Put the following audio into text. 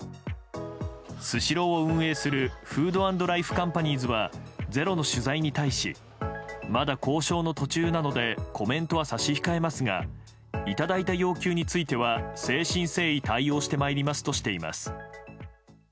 スシローを運営するＦＯＯＤ＆ＬＩＦＥＣＯＭＰＡＮＩＥＳは「ｚｅｒｏ」の取材に対しまだ交渉の途中なのでコメントは差し控えますがいただいた要求については誠心誠意対応してまいりますとしています。